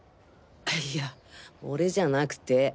いや俺じゃなくて。